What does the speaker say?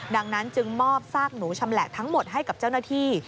ดังนั้นจึงมอบซากหนูชำแหละทั้งหมดให้กับเจ้าหน้าที่